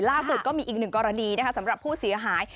ล่าสุดก็มีอีกหนึ่งกรณีนะคะสำหรับผู้เสียหาย